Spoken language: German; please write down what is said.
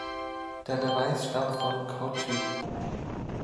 Der Beweis stammt von Cauchy.